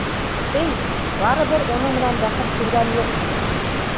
Эй, барыбер уның менән бәхет күргән юҡ!